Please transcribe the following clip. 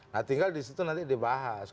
nah tinggal disitu nanti dibahas